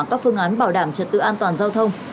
các phương án bảo đảm trật tự an toàn giao thông